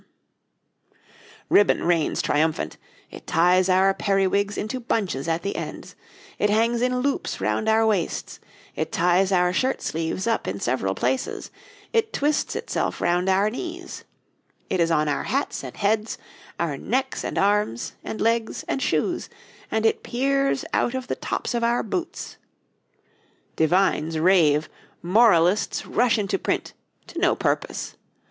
[Illustration: {A man of the time of Charles II.; a type of sleeve; the back of a coat}] Ribbon reigns triumphant: it ties our periwigs into bunches at the ends; it hangs in loops round our waists; it ties our shirt sleeves up in several places; it twists itself round our knees. It is on our hats and heads, and necks and arms, and legs and shoes, and it peers out of the tops of our boots. Divines rave, moralists rush into print, to no purpose.